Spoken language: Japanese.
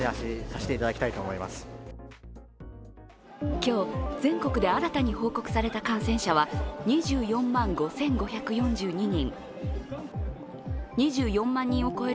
今日、全国で新たに報告された感染者は２４万５５４２人。